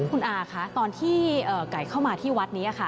คุณอาคะตอนที่ไก่เข้ามาที่วัดนี้ค่ะ